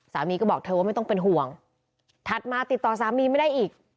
สามีก็บอกเธอว่าไม่ต้องเป็นห่วงถัดมาติดต่อสามีไม่ได้อีก